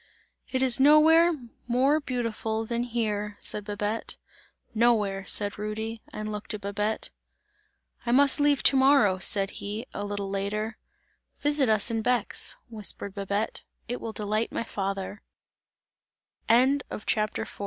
"It is nowhere more beautiful than here!" said Babette. "Nowhere!" said Rudy, and looked at Babette. "I must leave to morrow!" said he, a little later. "Visit us in Bex," whispered Babette, "it will delight my father!"